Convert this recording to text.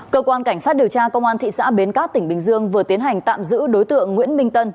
cơ quan cảnh sát điều tra công an thị xã bến cát tỉnh bình dương vừa tiến hành tạm giữ đối tượng nguyễn minh tân